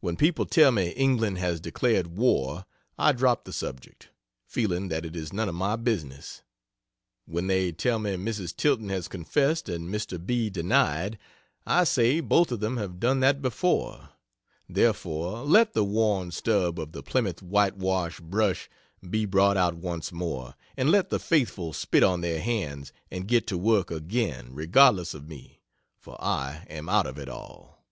When people tell me England has declared war, I drop the subject, feeling that it is none of my business; when they tell me Mrs. Tilton has confessed and Mr. B. denied, I say both of them have done that before, therefore let the worn stub of the Plymouth white wash brush be brought out once more, and let the faithful spit on their hands and get to work again regardless of me for I am out of it all.